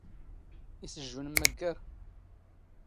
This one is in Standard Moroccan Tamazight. ⵉⵙ ⵊⵊⵓ ⵏⵎⵎⴰⴳⴳⴰⵔ?